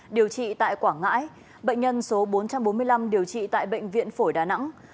điều trị tại quảng ngãi bệnh nhân số bốn trăm bốn mươi năm điều trị tại bệnh viện phổi đà nẵng